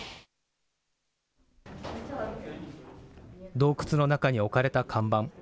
洞窟の中に置かれた看板。